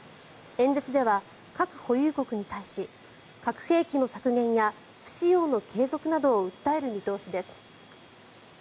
演説では核保有国に対し核兵器の削減や不使用の継続などを訴える見通しです。